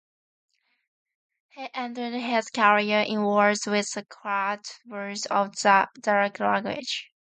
He ended his career in Wales with the Cardiff Blues of the Celtic League.